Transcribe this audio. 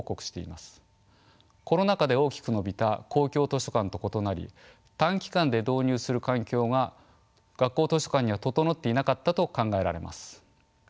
コロナ禍で大きく伸びた公共図書館と異なり短期間で導入する環境が学校図書館には整っていなかったと考えられます。